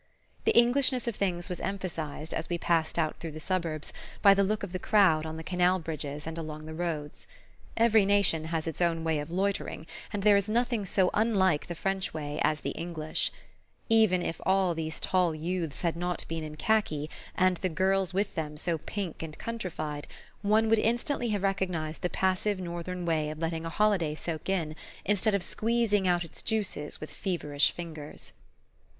The Englishness of things was emphasized, as we passed out through the suburbs, by the look of the crowd on the canal bridges and along the roads. Every nation has its own way of loitering, and there is nothing so unlike the French way as the English. Even if all these tall youths had not been in khaki, and the girls with them so pink and countrified, one would instantly have recognized the passive northern way of letting a holiday soak in instead of squeezing out its juices with feverish fingers.